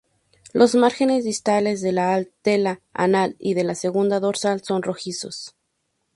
Los márgenes distales de la aleta anal y de la segunda dorsal son rojizos.